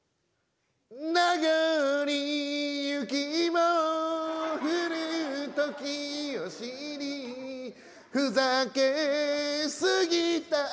「なごり雪も降る時を知り」「ふざけすぎた」